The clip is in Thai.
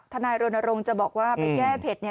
ทนายโรนโรงจะบอกว่าเป็นแก้เพชร